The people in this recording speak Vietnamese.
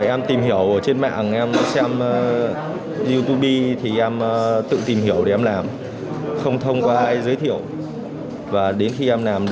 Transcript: em tìm hiểu ở trên mạng em xem youtube thì em tự tìm hiểu để em làm